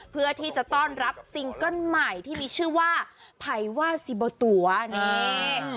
เพื่อที่จะต้อนรับซิงเกิ้ลใหม่ที่มีชื่อว่าไผ่ว่าซิโบตั๋วนี่